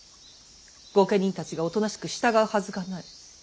御家人たちがおとなしく従うはずがない。